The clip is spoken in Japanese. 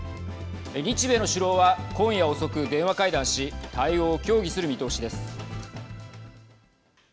日米の首脳は今夜遅く電話会談し対応を協議する見通しです。